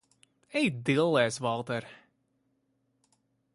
Ej dillēs, Valter!